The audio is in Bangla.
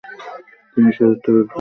তিনি সশস্ত্র বিপ্লবী দলে যোগ দিয়েছিলেন।